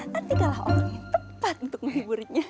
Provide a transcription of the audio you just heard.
nanti kalah orang yang tepat untuk menghiburnya